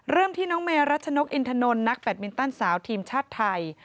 เริ่มที่น้องเมรัชนกอินทนนท์นักแบตมินตันสาวทีมชาติไทย